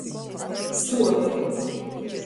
Stuovi!